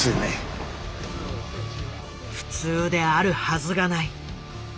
普通であるはずがない。